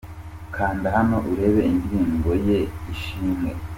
Kanda hano urebe indirimbo ye "Ishimwe"